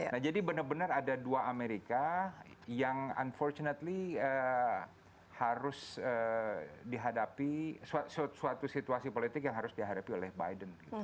nah jadi benar benar ada dua amerika yang unfortunately harus dihadapi suatu situasi politik yang harus dihadapi oleh biden